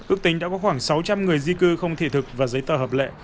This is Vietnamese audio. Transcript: ước tính đã có khoảng sáu trăm linh người di cư không thị thực và giấy tờ hợp lệ